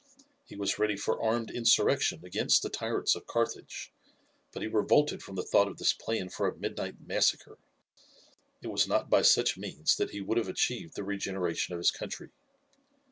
He was ready for armed insurrection against the tyrants of Carthage, but he revolted from the thought of this plan for a midnight massacre it was not by such means that he would have achieved the regeneration of his country.